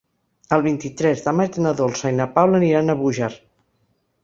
El vint-i-tres de maig na Dolça i na Paula aniran a Búger.